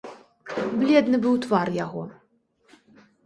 Бледны быў твар яго.